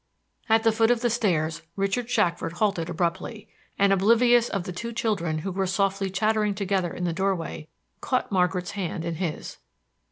At the foot of the stairs Richard Shackford halted abruptly, and, oblivious of the two children who were softly chattering together in the doorway, caught Margaret's hand in his.